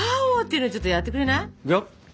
いくよ？